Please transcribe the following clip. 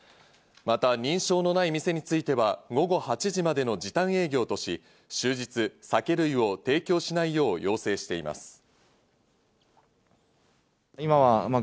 また認証のない店については午後８時までの時短営業とし、終日、酒類を提供しないよう要請しています。